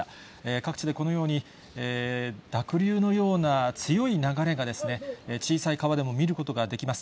各地でこのように濁流のような強い流れが、小さい川でも見ることができます。